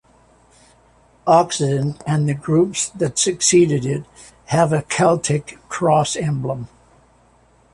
"Occident" and the groups that succeeded it have a Celtic cross emblem.